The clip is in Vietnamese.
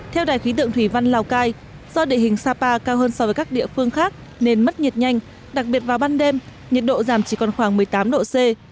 theo đài khí tượng thủy văn lào cai do địa hình sapa cao hơn so với các địa phương khác nên mất nhiệt nhanh đặc biệt vào ban đêm nhiệt độ giảm chỉ còn khoảng một mươi tám độ c